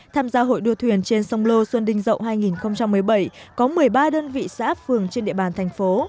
tham gia hội đua thuyền trên sông lô xuân đinh dậu hai nghìn một mươi bảy có một mươi ba đơn vị xã phường trên địa bàn thành phố